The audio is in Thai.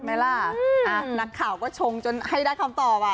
ชัดไหมล่ะหนักข่าก็ชงจนให้ได้คำตอบ